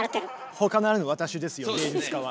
ほかならぬ私ですよ芸術家は。